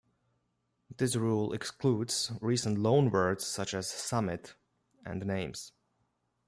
This rule excludes recent loanwords, such as "summit" and names.